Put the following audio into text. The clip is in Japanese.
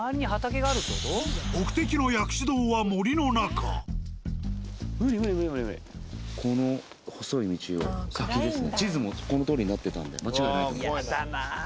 目的のこの地図もこのとおりになってたんで間違いないと思います。